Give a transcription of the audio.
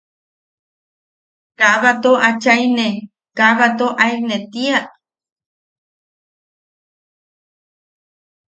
¿Kaa bato achaine, kaa bato aene tia?